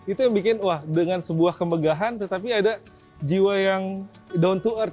itu yang bikin wah dengan sebuah kemegahan tetapi ada jiwa yang down to earth